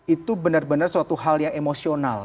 itu benar benar suatu hal yang emosional